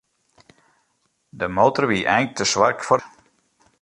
De motor wie eink te swak foar de bus.